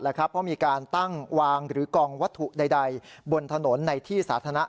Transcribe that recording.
เพราะมีการตั้งวางหรือกองวัตถุใดบนถนนในที่สาธารณะ